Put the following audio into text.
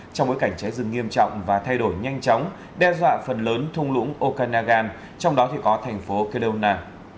trong bối cảnh cháy rừng nghiêm trọng và thay đổi nhanh chóng đe dọa phần lớn thung lũng okanagan trong đó thì có thành phố kelowna